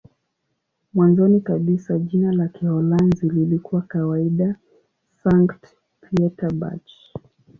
Mwanzoni kabisa jina la Kiholanzi lilikuwa kawaida "Sankt-Pieterburch".